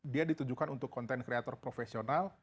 dia ditunjukkan untuk content creator profesional